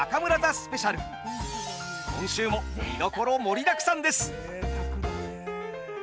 今週もみどころ盛りだくさんです。